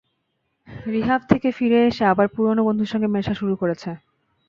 Rehab থেকে ফিরে এসে আবার পুরোনো বন্ধুদের সঙ্গে মেশা শুরু করেছে।